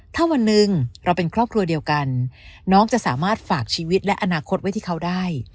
ถ้าวันหนึ่งเราเป็นครอบครัวเดียวกันน้องจะสามารถฝากชีวิตและอนาคตไว้ที่เขาได้